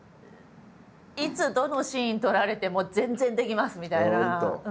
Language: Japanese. いつどのシーン撮られても全然できますみたいな。